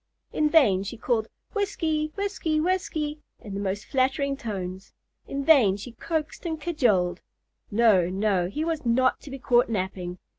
In vain she called, "Whiskey, Whiskey, Whiskey," in the most flattering tones; in vain she coaxed and cajoled. No, no; he was not to be caught napping.